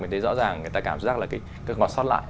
mình thấy rõ ràng người ta cảm giác là cái ngọn sót lại